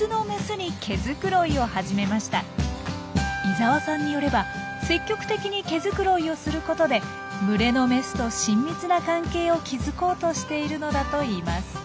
伊沢さんによれば積極的に毛づくろいをすることで群れのメスと親密な関係を築こうとしているのだといいます。